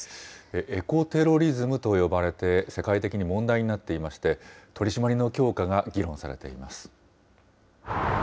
エコテロリズムと呼ばれて、世界的に問題になっていまして、取締りの強化が議論されています。